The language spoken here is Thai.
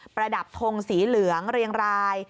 ประดับทงสีเหลืองเรียงราย